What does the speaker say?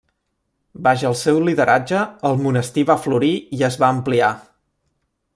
Baix el seu lideratge, el monestir va florir i es va ampliar.